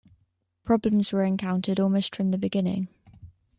Problems were encountered almost from the beginning.